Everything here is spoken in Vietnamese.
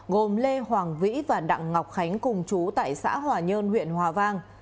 gồm lê hoàng vĩ và đặng ngọc khánh cùng chú tại xã hòa nhơn huyện hòa vang